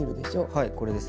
はいこれですね。